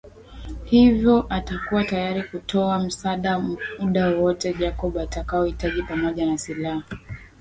Hivo atakuwa tayari kutoa msaada muda wowote Jacob atakaohitaji pamoja na silaha